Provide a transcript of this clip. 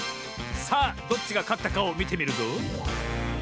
さあどっちがかったかをみてみるぞ。